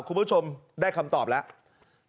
คุณผู้ชมได้คำตอบแล้ว